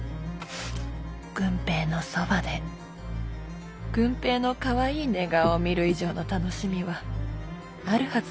郡平のそばで郡平のカワイイ寝顔を見る以上の楽しみはあるはずもないから。